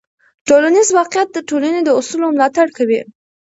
ټولنیز واقیعت د ټولنې د اصولو ملاتړ کوي.